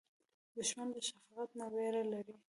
دښمن له شفقت نه وېره لري